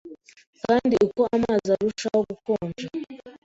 kandi uko amazi arushaho gukonja,